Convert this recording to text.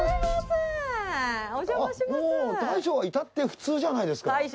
もう大将は至って普通じゃないですか。